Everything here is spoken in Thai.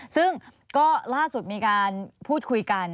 ซึ่งก็ล่าสุดมีการพูดคุยกัน